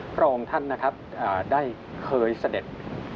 พระองค์ท่านนะครับได้เคยเสด็จ